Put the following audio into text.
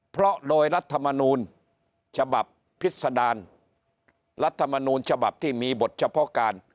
เพราะโดยรัฐมนูลฉบับพิษดารรัฐมนูลฉบับที่มีบทเฉพาะการ